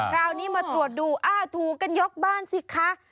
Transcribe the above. คราวนี้มาตรวจดูอ้าวถูกกันยกบ้านสิคะ